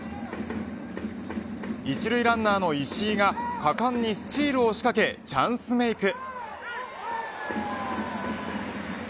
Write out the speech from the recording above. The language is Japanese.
１塁ランナーの石井が果敢にスティールを仕掛けチャンスメーク。